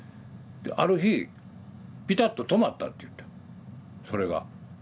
である日ピタッと止まったって言ったそれが。